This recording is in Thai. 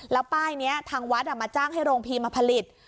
แล้วป้ายนี้ทางวัดมาจ้างให้โรงพิมพ์มาผลิต